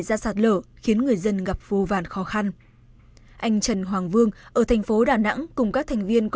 ra sạt lở khiến người dân gặp vô vàn khó khăn anh trần hoàng vương ở thành phố đà nẵng cùng các